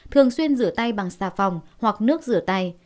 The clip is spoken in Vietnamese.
thường xuyên rửa tay bằng xà phòng hoặc nước rửa tay